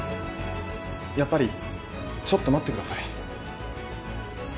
やっぱりちょっと待ってください。